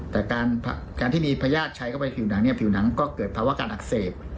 แต่การที่มีพญาติใช้เข้าไปผิวหนังเนี่ยผิวหนังก็เกิดภาวะการอักเสบ